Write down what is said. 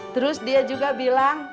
terus dia juga bilang